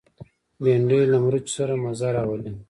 بېنډۍ له مرچو سره مزه راولي